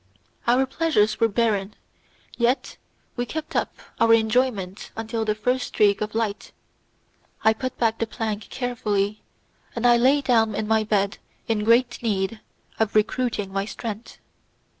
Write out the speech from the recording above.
Our pleasures were barren, yet we kept up our enjoyment until the first streak of light. I put back the plank carefully, and I lay down in my bed in great need of recruiting my strength.